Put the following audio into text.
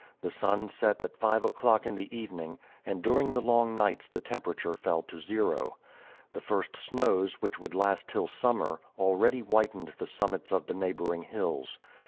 The sun set at five o'clock in the evening, and during the long nights the temperature fell to zero. The first snows, which would last till summer, already whitened the summits of the neighboring hills.